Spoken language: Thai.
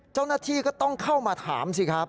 เจ้าหน้าที่ก็ต้องเข้ามาถามสิครับ